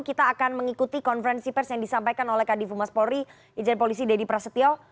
kita akan mengikuti konferensi pers yang disampaikan oleh kd fumas polri ijad polisi dedy prasetyo